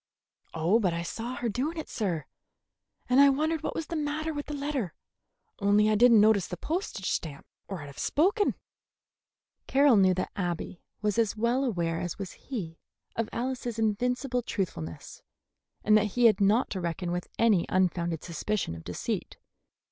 "Oh, but I saw her doing it, sir, and I wondered what was the matter with the letter; only I did n't notice the postage stamp, or I'd have spoken." Carroll knew that Abby was as well aware as was he of Alice's invincible truthfulness, and that he had not to reckon with any unfounded suspicion of deceit.